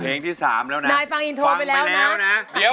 เพลงที่สามแล้วนะนายฟังอินโทรไปแล้วนะ